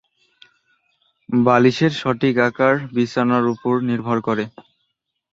বালিশের সঠিক আকার বিছানার উপর নির্ভর করে।